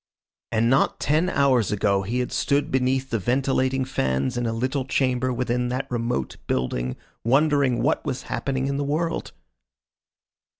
And not ten hours ago he had stood beneath the ventilating fans in a little chamber within that remote building wondering what was happening in the world!